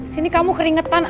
sini kamu keringetan